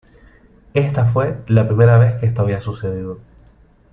Esta fue la primera vez que esto había sucedido.